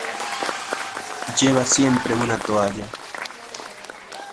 Lleva siempre una toalla.